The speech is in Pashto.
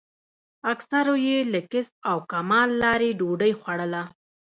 اکثرو یې له کسب او کمال لارې ډوډۍ خوړله.